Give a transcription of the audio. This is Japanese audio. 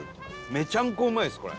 めちゃんこうまいです、これ。